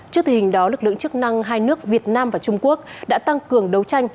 trước tình hình đó lực lượng chức năng hai nước việt nam và trung quốc đã tăng cường đấu tranh